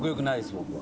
僕は。